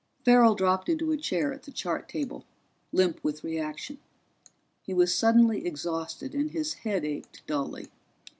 Farrell dropped into a chair at the chart table, limp with reaction. He was suddenly exhausted, and his head ached dully.